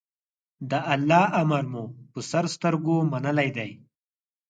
د الله امر مو په سر سترګو منلی دی.